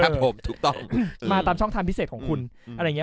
ถูกต้องมาตามช่องทางพิเศษของคุณอะไรอย่างนี้